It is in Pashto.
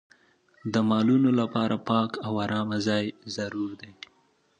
د مالونو لپاره پاک او ارامه ځای ضروري دی.